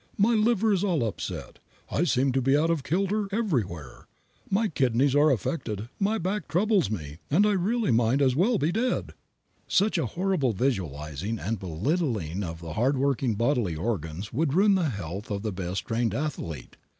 "My liver is all upset. I seem to be out of kilter everywhere. My kidneys are affected, my back troubles me, and really I might as well be dead!" Such horrible visualizing and belittling of the hard working bodily organs would ruin the health of the best trained athlete.